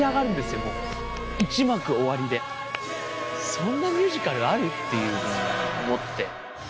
そんなミュージカルある？っていうふうに思って。